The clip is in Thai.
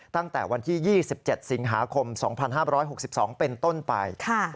ตั้งแต่วันที่๒๗สิงหาคม๒๕๖๒เป็นต้นไป